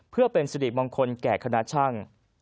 เพื่อเป็นสิริมงคลแก่คณะช่าง